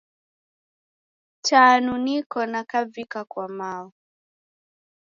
Tanu niko nakavika kwa mao.